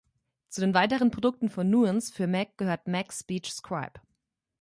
Zu den weiteren Produkten von Nuance für Mac gehört MacSpeech Scribe.